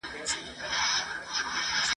هغه ټولنه چي کتاب ته ارزښت ورکوي تل پرمختګ !.